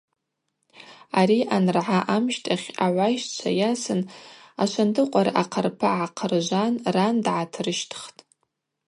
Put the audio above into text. Ари анрагӏа амщтахь агӏвайщчва йасын ашвандыкъвара ахъарпа гӏахъыржван ран дгӏатырщтхтӏ.